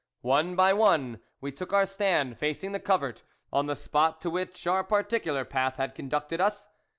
One by one we took our stand facing the covert, on the spot to which our par ticular path had conducted us.